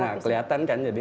nah kelihatan kan jadi